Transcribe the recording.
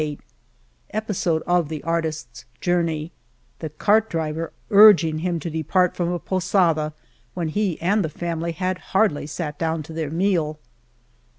77 Episode of the artisf s journey : The cart driver urging him to depart from a posada when he and the family had hardly sat down to their meal